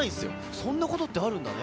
そんなことってあるんだね。